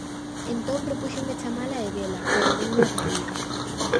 Entón propúxenme chamala e vela, pero non me atrevía.